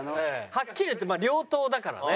はっきり言って両刀だからね。